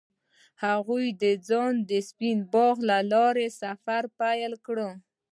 هغوی یوځای د سپین باغ له لارې سفر پیل کړ.